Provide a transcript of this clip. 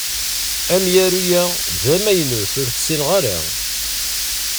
Amyaru-a d amaynut ur t-ssineɣ ara.